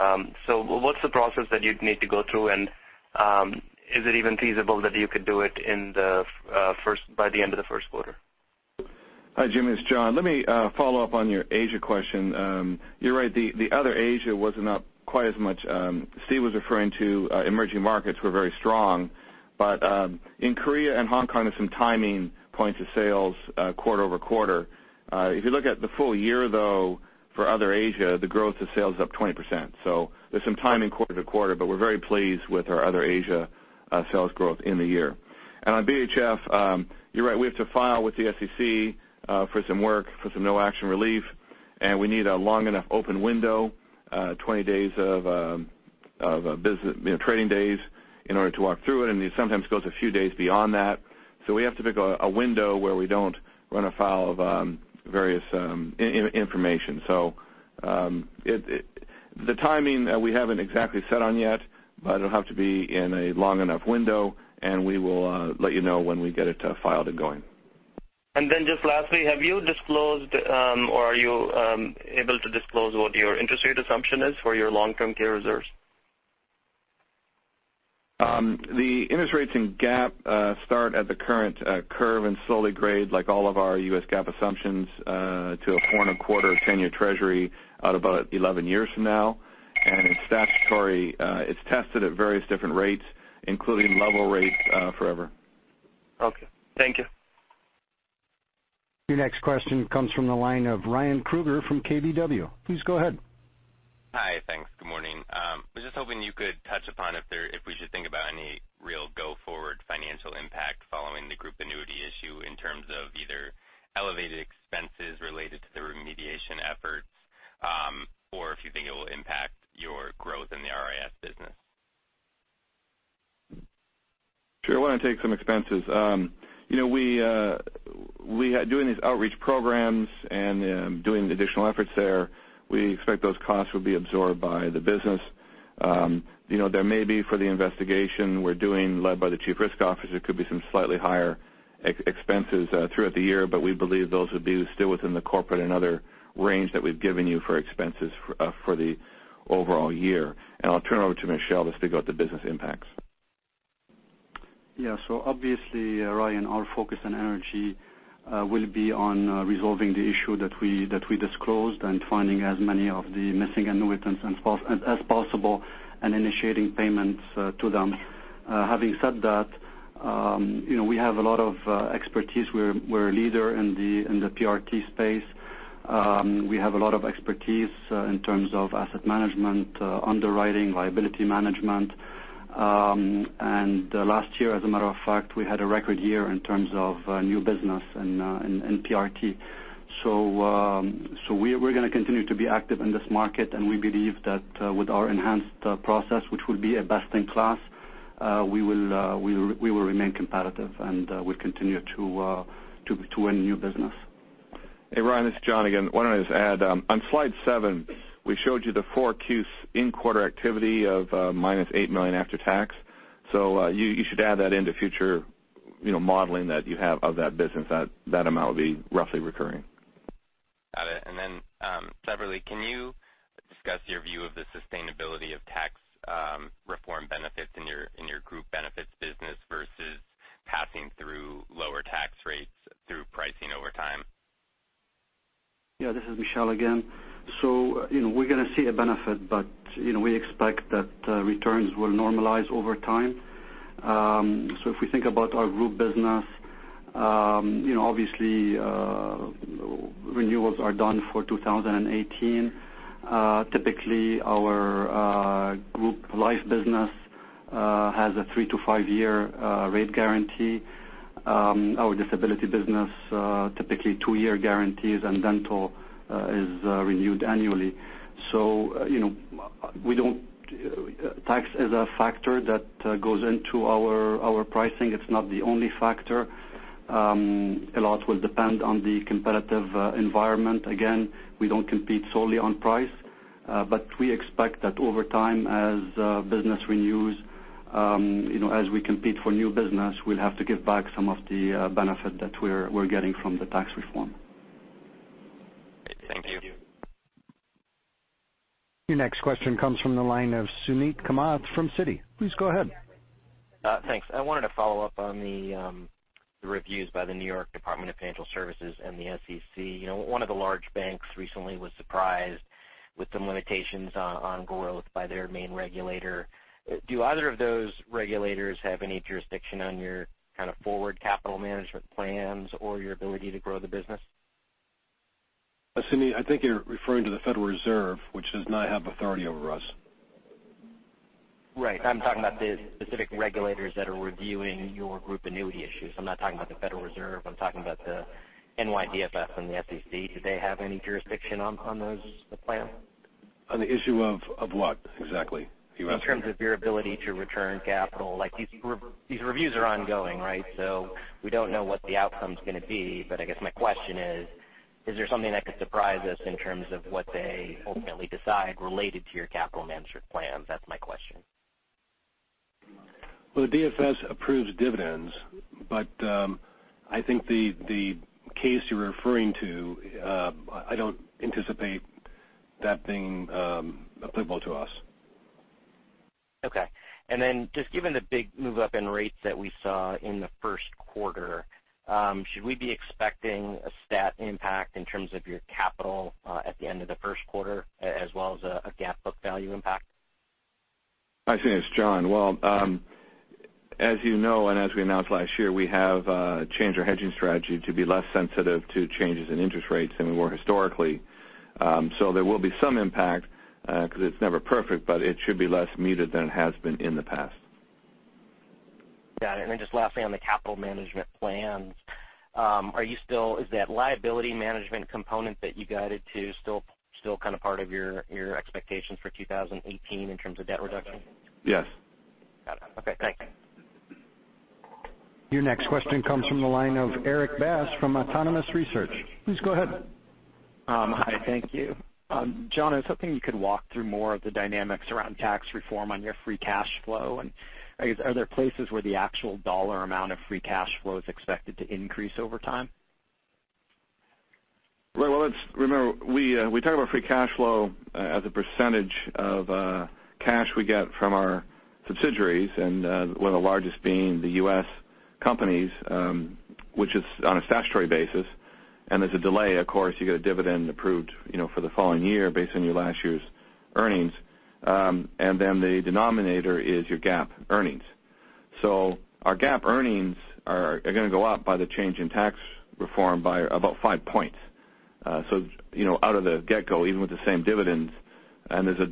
What's the process that you'd need to go through, and is it even feasible that you could do it by the end of the first quarter? Hi, Jimmy. It's John. Let me follow up on your Asia question. You're right, the other Asia wasn't up quite as much. Steve was referring to emerging markets were very strong. In Korea and Hong Kong, there's some timing points of sales quarter-over-quarter. If you look at the full year, though, for other Asia, the growth of sales is up 20%. There's some timing quarter-to-quarter, but we're very pleased with our other Asia sales growth in the year. On BHF, you're right. We have to file with the SEC for some work, for some no-action relief, and we need a long enough open window, 20 trading days in order to walk through it, and it sometimes goes a few days beyond that. We have to pick a window where we don't run afoul of various information. The timing we haven't exactly set on yet, but it'll have to be in a long enough window, and we will let you know when we get it filed and going. Just lastly, have you disclosed or are you able to disclose what your interest rate assumption is for your long-term care reserves? The interest rates in GAAP start at the current curve and slowly grade, like all of our U.S. GAAP assumptions, to a four-and-a-quarter 10-year Treasury at about 11 years from now. In statutory, it's tested at various different rates, including level rates forever. Okay. Thank you. Your next question comes from the line of Ryan Krueger from KBW. Please go ahead. Hi. Thanks. Good morning. I was just hoping you could touch upon if we should think about any real go-forward financial impact following the group annuity issue in terms of either elevated expenses related to the remediation efforts or if you think it will impact your growth in the RIS business. Sure. Why don't I take some expenses? Doing these outreach programs and doing the additional efforts there, we expect those costs will be absorbed by the business. There may be for the investigation we're doing, led by the Chief Risk Officer, could be some slightly higher expenses throughout the year, but we believe those would be still within the corporate and other range that we've given you for expenses for the overall year. I'll turn it over to Michel to speak about the business impacts. Yeah. Obviously, Ryan, our focus and energy will be on resolving the issue that we disclosed and finding as many of the missing annuitants as possible and initiating payments to them. Having said that, we have a lot of expertise. We're a leader in the PRT space. We have a lot of expertise in terms of asset management, underwriting, liability management. And last year, as a matter of fact, we had a record year in terms of new business in PRT. We're going to continue to be active in this market, and we believe that with our enhanced process, which will be a best-in-class, we will remain competitive and we'll continue to win new business. Hey, Ryan, this is John again. Why don't I just add, on slide seven, we showed you the 4Q in-quarter activity of minus $8 million after tax. You should add that into future modeling that you have of that business. That amount will be roughly recurring. Got it. Then, Khalaf, can you discuss your view of the sustainability of tax reform benefits in your Group Benefits business versus passing through lower tax rates through pricing over time? Yeah, this is Michel again. We're going to see a benefit, but we expect that returns will normalize over time. If we think about our Group business obviously, renewals are done for 2018. Typically, our Group life business has a three- to five-year rate guarantee. Our disability business, typically two-year guarantees, and dental is renewed annually. Tax is a factor that goes into our pricing. It's not the only factor. A lot will depend on the competitive environment. Again, we don't compete solely on price. We expect that over time as business renews, as we compete for new business, we'll have to give back some of the benefit that we're getting from the tax reform. Thank you. Your next question comes from the line of Suneet Kamath from Citi. Please go ahead. Thanks. I wanted to follow up on the reviews by the New York State Department of Financial Services and the SEC. One of the large banks recently was surprised with some limitations on growth by their main regulator. Do either of those regulators have any jurisdiction on your forward capital management plans or your ability to grow the business? Suneet, I think you're referring to the Federal Reserve, which does not have authority over us. Right. I'm talking about the specific regulators that are reviewing your group annuity issues. I'm not talking about the Federal Reserve. I'm talking about the NYDFS and the SEC. Do they have any jurisdiction on those plans? On the issue of what, exactly? You ask me. In terms of your ability to return capital. These reviews are ongoing, right? We don't know what the outcome's going to be. I guess my question is there something that could surprise us in terms of what they ultimately decide related to your capital management plans? That's my question. Well, the DFS approves dividends, but I think the case you're referring to, I don't anticipate that being applicable to us. Okay. Given the big move up in rates that we saw in the first quarter, should we be expecting a stat impact in terms of your capital at the end of the first quarter as well as a GAAP book value impact? Hi, Suneet. It's John. As you know and as we announced last year, we have changed our hedging strategy to be less sensitive to changes in interest rates than we were historically. There will be some impact because it's never perfect, but it should be less muted than it has been in the past. Got it. Lastly on the capital management plans. Is that liability management component that you guided to still part of your expectations for 2018 in terms of debt reduction? Yes. Got it. Okay, thanks. Your next question comes from the line of Erik Bass from Autonomous Research. Please go ahead. Hi, thank you. John, I was hoping you could walk through more of the dynamics around tax reform on your free cash flow, I guess are there places where the actual dollar amount of free cash flow is expected to increase over time? Well, let's remember, we talk about free cash flow as a percentage of cash we get from our subsidiaries, one of the largest being the U.S. companies, which is on a statutory basis. There's a delay, of course. You get a dividend approved for the following year based on your last year's earnings. The denominator is your GAAP earnings. Our GAAP earnings are going to go up by the change in tax reform by about 5 points. Out of the get-go, even with the same dividends, there's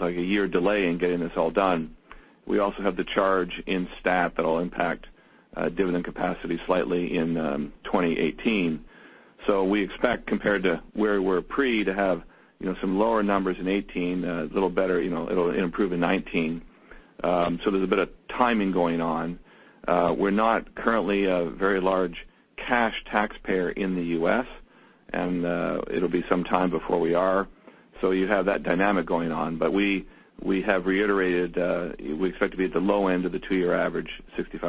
like a year delay in getting this all done. We also have the charge in stat that'll impact Dividend capacity slightly in 2018. We expect, compared to where we're pre, to have some lower numbers in 2018, it'll improve in 2019. There's a bit of timing going on. We're not currently a very large cash taxpayer in the U.S., it'll be some time before we are. You have that dynamic going on, we have reiterated we expect to be at the low end of the two-year average, 65%-75%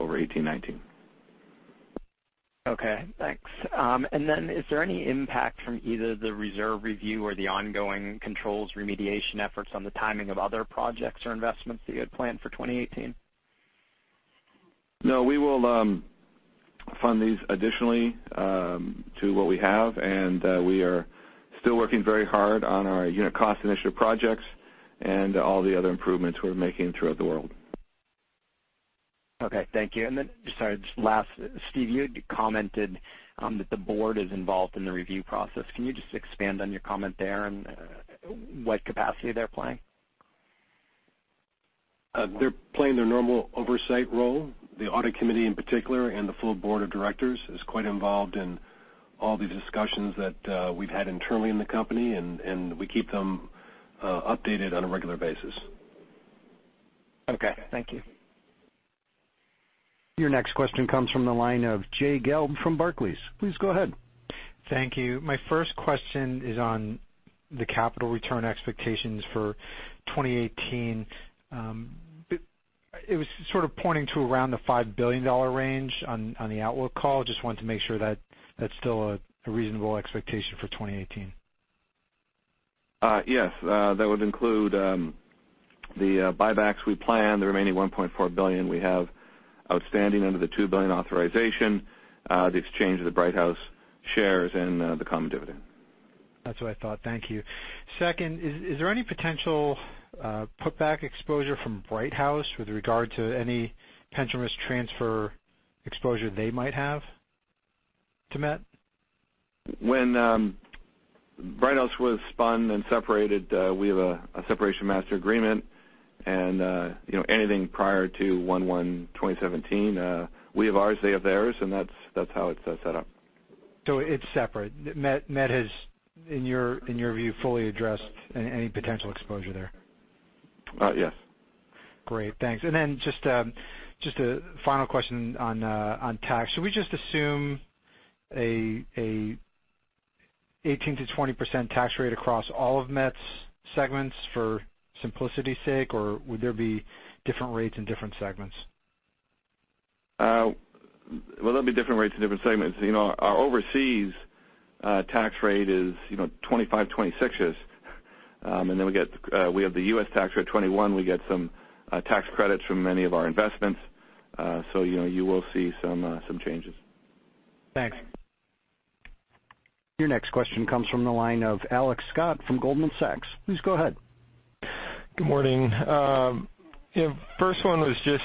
over 2018, 2019. Okay, thanks. Is there any impact from either the reserve review or the ongoing controls remediation efforts on the timing of other projects or investments that you had planned for 2018? No. We will fund these additionally to what we have. We are still working very hard on our unit cost initiative projects and all the other improvements we're making throughout the world. Okay, thank you. Sorry, just last, Steve, you had commented that the board is involved in the review process. Can you just expand on your comment there and what capacity they're playing? They're playing their normal oversight role. The Audit Committee in particular, the full Board of Directors is quite involved in all the discussions that we've had internally in the company. We keep them updated on a regular basis. Okay, thank you. Your next question comes from the line of Jay Gelb from Barclays. Please go ahead. Thank you. My first question is on the capital return expectations for 2018. It was sort of pointing to around the $5 billion range on the outlook call. Just wanted to make sure that's still a reasonable expectation for 2018. Yes. That would include the buybacks we planned, the remaining $1.4 billion we have outstanding under the $2 billion authorization, the exchange of the Brighthouse shares, and the common dividend. That's what I thought. Thank you. Second, is there any potential put back exposure from Brighthouse with regard to any pension risk transfer exposure they might have to Met? When Brighthouse was spun and separated, we have a separation master agreement and anything prior to 01/01/2017, we have ours, they have theirs, and that's how it's set up. It's separate. Met has, in your view, fully addressed any potential exposure there? Yes. Great, thanks. Just a final question on tax. Should we just assume an 18%-20% tax rate across all of Met's segments for simplicity's sake, or would there be different rates in different segments? There'll be different rates in different segments. Our overseas tax rate is 25%, 26%-ish. Then we have the U.S. tax rate 21%. We get some tax credits from many of our investments. You will see some changes. Thanks. Your next question comes from the line of Alex Scott from Goldman Sachs. Please go ahead. Good morning. First one was just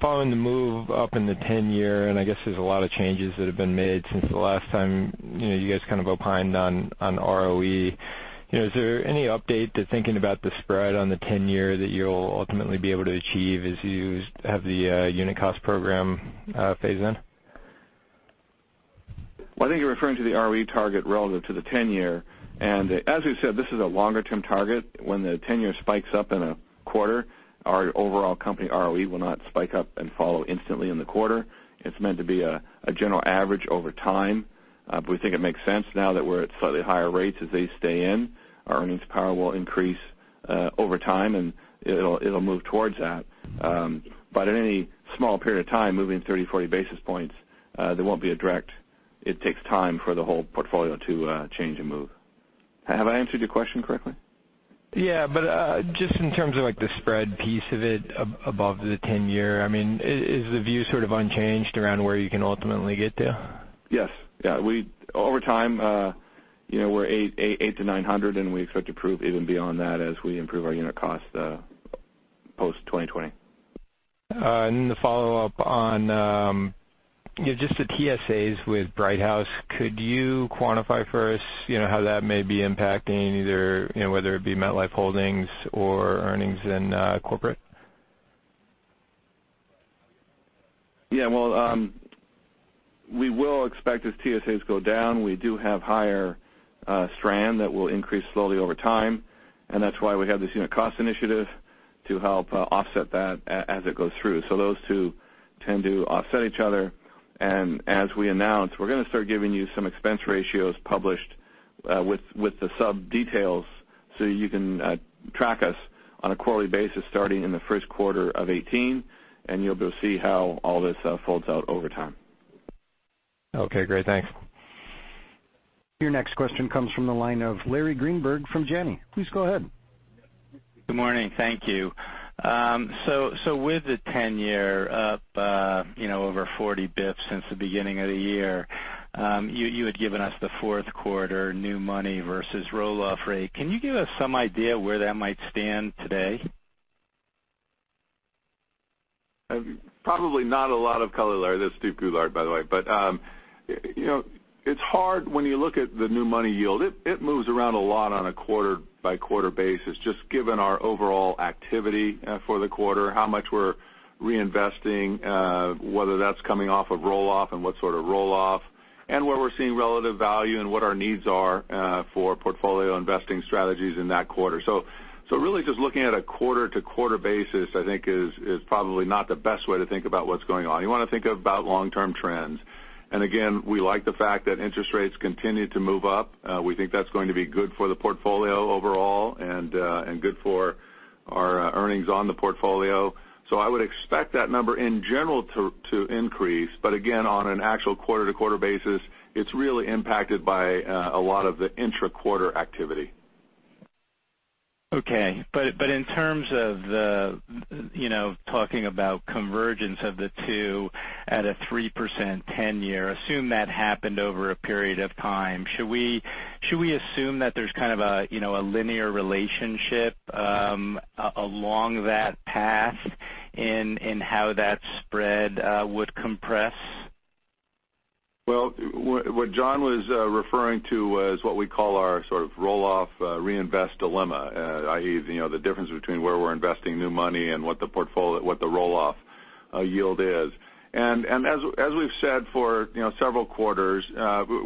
following the move up in the 10-year. I guess there's a lot of changes that have been made since the last time you guys kind of opined on ROE. Is there any update to thinking about the spread on the 10-year that you'll ultimately be able to achieve as you have the unit cost program phase in? I think you're referring to the ROE target relative to the 10-year. As we've said, this is a longer-term target. When the 10-year spikes up in a quarter, our overall company ROE will not spike up and follow instantly in the quarter. It's meant to be a general average over time. We think it makes sense now that we're at slightly higher rates as they stay in. Our earnings power will increase over time, and it'll move towards that. In any small period of time, moving 30, 40 basis points, there won't be a direct. It takes time for the whole portfolio to change and move. Have I answered your question correctly? Yeah, just in terms of the spread piece of it above the 10-year, is the view sort of unchanged around where you can ultimately get to? Yes. Over time we're 800 to 900, and we expect to prove even beyond that as we improve our unit cost post 2020. The follow-up on just the TSAs with Brighthouse. Could you quantify for us how that may be impacting whether it be MetLife Holdings or earnings in corporate? Yeah. We will expect as TSAs go down, we do have higher stranded costs that will increase slowly over time, and that's why we have this unit cost initiative to help offset that as it goes through. Those two tend to offset each other. As we announce, we're going to start giving you some expense ratios published with the sub details so you can track us on a quarterly basis starting in the first quarter of 2018, and you'll be able to see how all this folds out over time. Okay, great. Thanks. Your next question comes from the line of Larry Greenberg from Janney. Please go ahead. Good morning. Thank you. With the 10-year up over 40 basis points since the beginning of the year, you had given us the fourth quarter new money versus roll-off rate. Can you give us some idea where that might stand today? Probably not a lot of color, Larry. This is Steve Goulart, by the way. It's hard when you look at the new money yield. It moves around a lot on a quarter-by-quarter basis, just given our overall activity for the quarter, how much we're reinvesting, whether that's coming off of roll-off and what sort of roll-off. Where we're seeing relative value and what our needs are for portfolio investing strategies in that quarter. Really just looking at a quarter-to-quarter basis, I think is probably not the best way to think about what's going on. You want to think about long-term trends. Again, we like the fact that interest rates continue to move up. We think that's going to be good for the portfolio overall and good for our earnings on the portfolio. I would expect that number in general to increase. Again, on an actual quarter-to-quarter basis, it's really impacted by a lot of the intra-quarter activity. Okay. In terms of talking about convergence of the two at a 3% 10-year, assume that happened over a period of time. Should we assume that there's kind of a linear relationship along that path in how that spread would compress? Well, what John was referring to was what we call our sort of roll-off reinvest dilemma, i.e., the difference between where we're investing new money and what the roll-off yield is. As we've said for several quarters,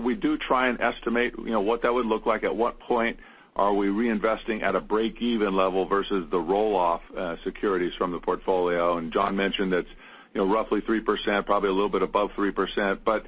we do try and estimate what that would look like, at what point are we reinvesting at a break-even level versus the roll-off securities from the portfolio. John mentioned that's roughly 3%, probably a little bit above 3%, but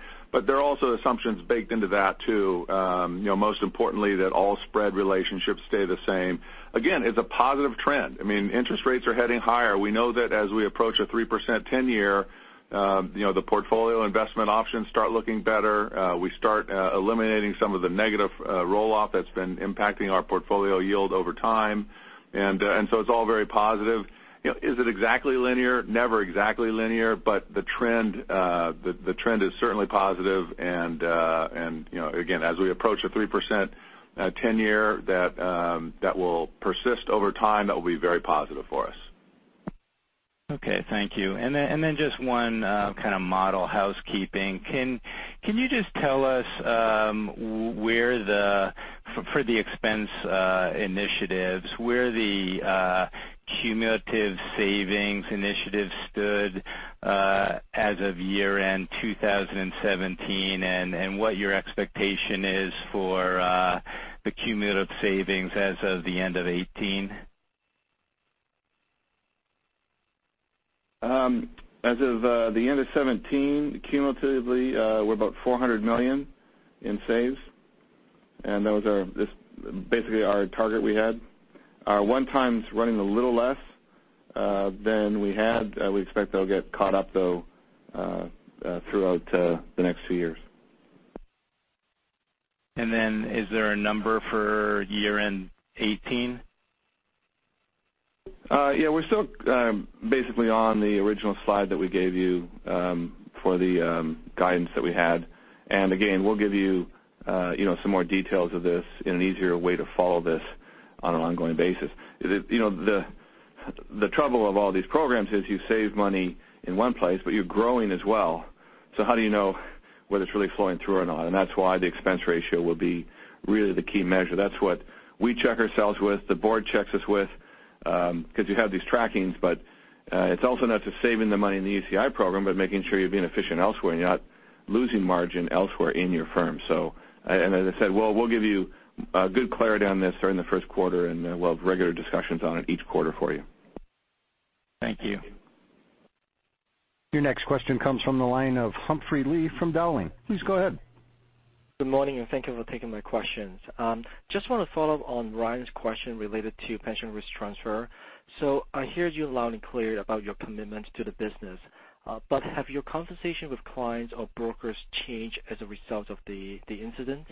there are also assumptions baked into that, too. Most importantly, that all spread relationships stay the same. Again, it's a positive trend. I mean, interest rates are heading higher. We know that as we approach a 3% 10-year, the portfolio investment options start looking better. We start eliminating some of the negative roll-off that's been impacting our portfolio yield over time. So it's all very positive. Is it exactly linear? Never exactly linear, but the trend is certainly positive and again, as we approach a 3% 10-year, that will persist over time. That will be very positive for us. Okay, thank you. Just one kind of model housekeeping. Can you just tell us for the expense initiatives, where the cumulative savings initiatives stood as of year-end 2017 and what your expectation is for the cumulative savings as of the end of 2018? As of the end of 2017, cumulatively, we're about $400 million in saves, that was basically our target we had. Our one-time's running a little less than we had. We expect that'll get caught up, though, throughout the next few years. Is there a number for year-end 2018? Yeah, we're still basically on the original slide that we gave you for the guidance that we had. Again, we'll give you some more details of this in an easier way to follow this on an ongoing basis. The trouble of all these programs is you save money in one place, but you're growing as well. How do you know whether it's really flowing through or not? That's why the expense ratio will be really the key measure. That's what we check ourselves with, the board checks us with, because you have these trackings, but it's also not just saving the money in the ECI program, but making sure you're being efficient elsewhere and you're not losing margin elsewhere in your firm. As I said, we'll give you good clarity on this during the first quarter, and we'll have regular discussions on it each quarter for you. Thank you. Your next question comes from the line of Humphrey Lee from Dowling. Please go ahead. Good morning, and thank you for taking my questions. Just want to follow up on Ryan's question related to pension risk transfer. I heard you loud and clear about your commitment to the business. Have your conversations with clients or brokers changed as a result of the incident?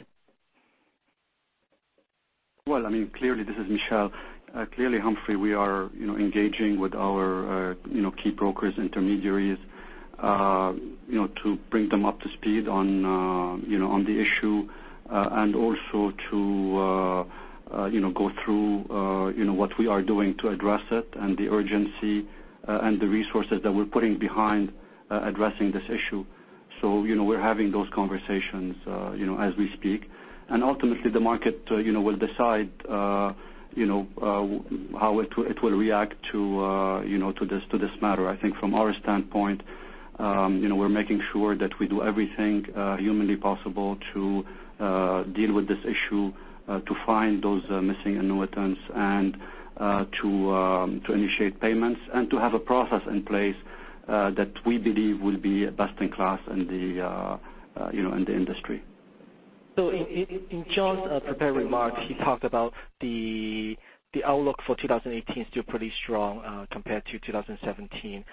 Well, I mean, clearly, this is Michel. Clearly, Humphrey, we are engaging with our key brokers, intermediaries to bring them up to speed on the issue and also to go through what we are doing to address it and the urgency and the resources that we're putting behind addressing this issue. We're having those conversations as we speak. Ultimately, the market will decide how it will react to this matter. I think from our standpoint, we're making sure that we do everything humanly possible to deal with this issue, to find those missing annuitants and to initiate payments and to have a process in place that we believe will be best in class in the industry. In John's prepared remarks, he talked about the outlook for 2018 still pretty strong compared to 2017.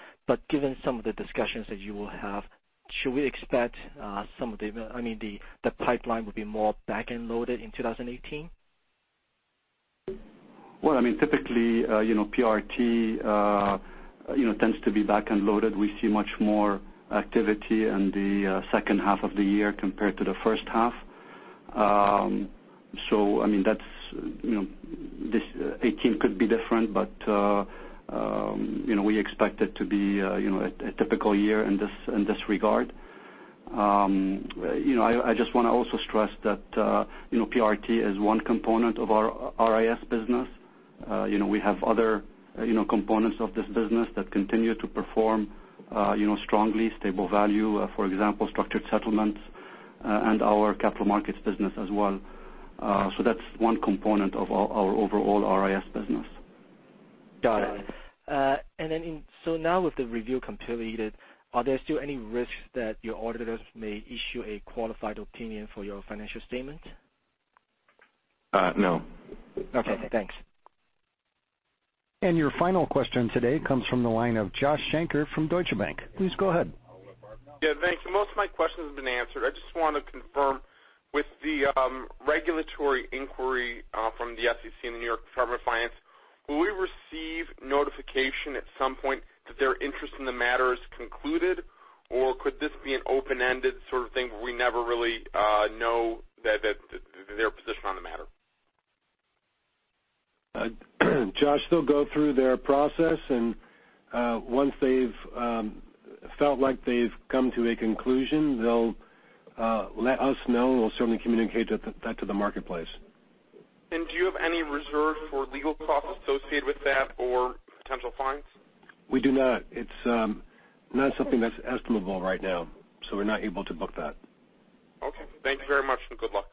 Given some of the discussions that you will have, should we expect some of the, I mean, the pipeline will be more back-end loaded in 2018? Well, I mean, typically, PRT tends to be back-end loaded. We see much more activity in the second half of the year compared to the first half. I mean, 2018 could be different, but we expect it to be a typical year in this regard. I just want to also stress that PRT is one component of our RIS business. We have other components of this business that continue to perform strongly, stable value, for example, structured settlements and our capital markets business as well. That's one component of our overall RIS business. Got it. Now with the review completed, are there still any risks that your auditors may issue a qualified opinion for your financial statement? No. Okay, thanks. Your final question today comes from the line of Joshua Shanker from Deutsche Bank. Please go ahead. Yeah, thank you. Most of my questions have been answered. I just want to confirm with the regulatory inquiry from the SEC and the New York State Department of Financial Services, will we receive notification at some point that their interest in the matter is concluded, or could this be an open-ended sort of thing where we never really know their position on the matter? Josh, they'll go through their process. Once they've felt like they've come to a conclusion, they'll let us know. We'll certainly communicate that to the marketplace. Do you have any reserve for legal costs associated with that or potential fines? We do not. It's not something that's estimable right now, so we're not able to book that. Okay. Thank you very much, and good luck.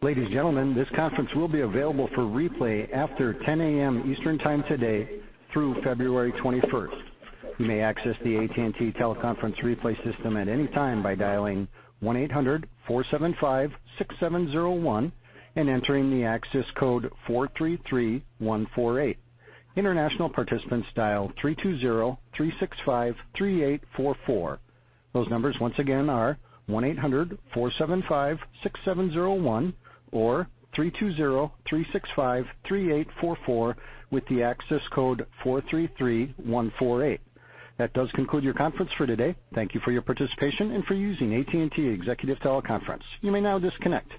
Ladies and gentlemen, this conference will be available for replay after 10:00 AM Eastern time today through February 21st. You may access the AT&T teleconference replay system at any time by dialing 1-800-475-6701 and entering the access code 433148. International participants dial 320-365-3844. Those numbers once again are 1-800-475-6701 or 320-365-3844 with the access code 433148. That does conclude your conference for today. Thank you for your participation and for using AT&T Executive Teleconference. You may now disconnect.